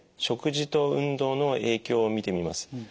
食事と運動の影響を見てみます。